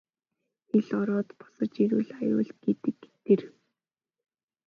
Хэл ороод босож ирвэл аюул гэдэг тэр.